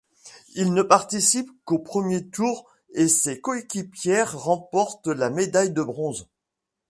Elle ne participe qu'aux premiers tours et ses coéquipières remportent la médaille de bronze.